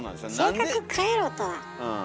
性格変えろとはうん。